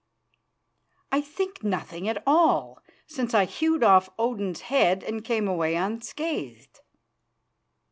"I think nothing at all, since I hewed off Odin's head and came away unscathed."